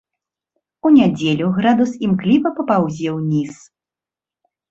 У нядзелю градус імкліва папаўзе ўніз.